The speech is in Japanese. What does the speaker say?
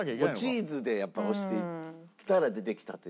チーズで押していったら出てきたという。